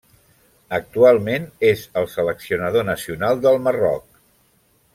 Actualment, és el seleccionador nacional del Marroc.